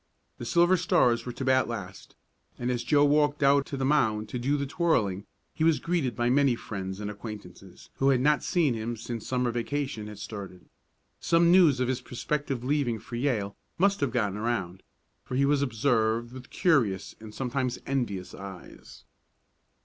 The Silver Stars were to bat last, and as Joe walked out to the mound to do the twirling, he was greeted by many friends and acquaintances who had not seen him since the Summer vacation had started. Some news of his prospective leaving for Yale must have gotten around, for he was observed with curious, and sometimes envious eyes.